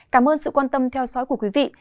cảm ơn sự quan tâm theo dõi của quý vị